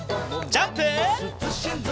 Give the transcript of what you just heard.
ジャンプ！